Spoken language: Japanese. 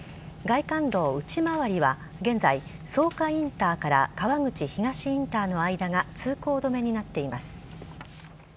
外環道内回りは現在、草加インターから川口東インターの間が通行止めになっています。